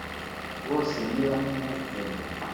Bosenibamwe Aimé